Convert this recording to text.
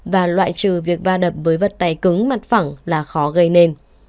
và loại trừ việc va đập với vật tài cứng mặt phẳng là khó gây nên